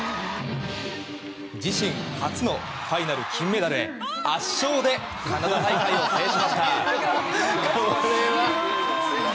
自身初のファイナル金メダルへ圧勝でカナダ大会を制しました。